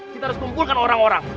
kita harus kumpulkan orang orang